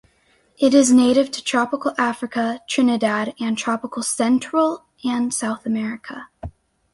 It is native to tropical Africa, Trinidad, and tropical Central and South America.